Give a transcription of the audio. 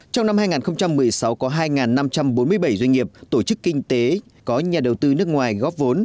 trong năm hai nghìn một mươi sáu có hai năm trăm bốn mươi bảy doanh nghiệp tổ chức kinh tế có nhà đầu tư nước ngoài góp vốn